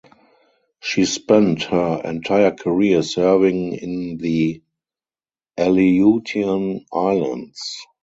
She spent her entire career serving in the Aleutian Islands.